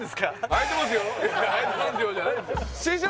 「はいてますよ」じゃないんですよ